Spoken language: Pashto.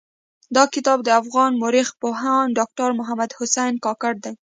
دا کتاب د افغان مٶرخ پوهاند ډاکټر محمد حسن کاکړ دٸ.